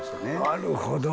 なるほど。